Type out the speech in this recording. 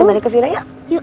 yuk yuk yuk